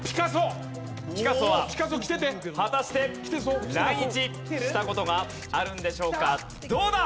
ピカソは果たして来日した事があるんでしょうか？どうだ！